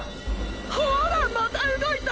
ほぅらまた動いた！！